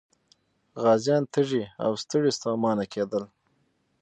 غازيان تږي او ستړي ستومانه کېدل.